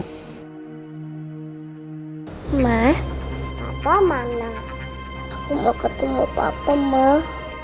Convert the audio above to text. hai mah papa mana mau ketemu papa mau